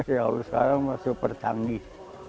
ya sekarang mah super canggih